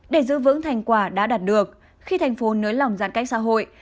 để giữ vững thành quả đã đạt được khi thành phố nới lỏng giãn cách xã hội